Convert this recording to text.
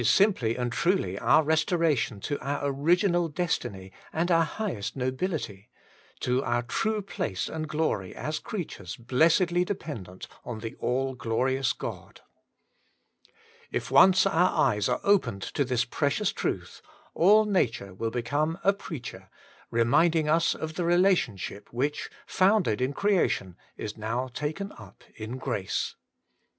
27 simply and truly our restoration to our original destiny and our highest nobility, to our true place and glory as creatures blessedly dependent on the All Glorious God. If once our eyes are opened to this precious truth, all Nature will become a preacher, re minding us of the relationship which, founded in creation, is now taken up in grace.